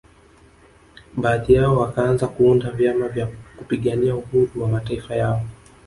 Baadhi yao wakanza kuunda vyama vya kupigania uhuru wa mataifa yao